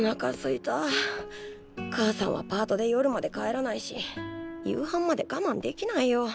母さんはパートで夜まで帰らないし夕飯までがまんできないよ。